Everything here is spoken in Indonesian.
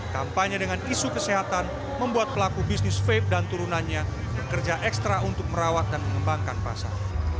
kampanye dengan isu kesehatan membuat pelaku bisnis vape dan turunannya bekerja ekstra untuk merawat dan mengembangkan pasar